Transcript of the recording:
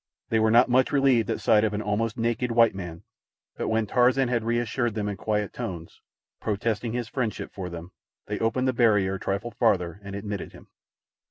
They were not much relieved at sight of an almost naked white man; but when Tarzan had reassured them in quiet tones, protesting his friendship for them, they opened the barrier a trifle farther and admitted him.